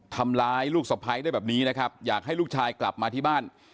ทำร้ายลูกสะพ้ายได้แบบนี้นะครับอยากให้ลูกชายกลับมาที่บ้าน